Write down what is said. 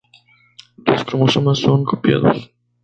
Los cromosomas son copiados.